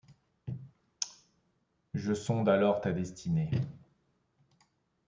Je sonde alors ta destinée.